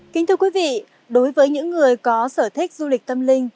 kính thưa quý vị đối với những người có sở thích du lịch tâm linh